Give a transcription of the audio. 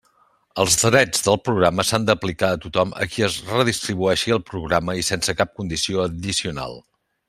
Els drets del programa s'han d'aplicar a tothom a qui es redistribueixi el programa i sense cap condició addicional.